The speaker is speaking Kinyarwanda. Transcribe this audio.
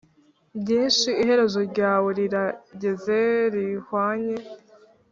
bwinshi iherezo ryawe rirageze rihwanye